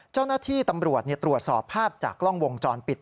เจ้าหน้าที่ตำรวจตรวจสอบภาพจากกล้องวงจรปิด